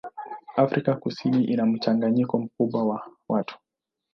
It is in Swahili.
Afrika Kusini ina mchanganyiko mkubwa wa watu.